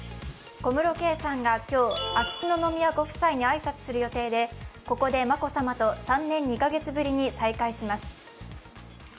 小室圭さんが今日、秋篠宮ご夫妻に挨拶に訪れる予定で、ここで眞子さまと３年２カ月ぶりに再会します。